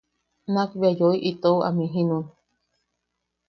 Nakbea yoi itou amjijinun.